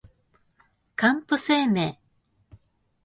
かんぽ生命